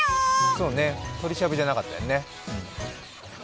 そうね鳥しゃぶじゃなかったよね。